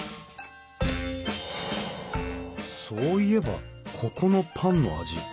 そういえばここのパンの味